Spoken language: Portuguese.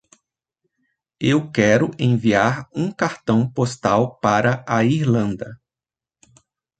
Eu quero enviar um cartão postal para a Irlanda.